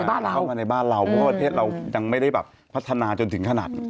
เข้ามาในบ้านเราเพราะว่าประเทศเรายังไม่ได้แบบพัฒนาจนถึงขนาด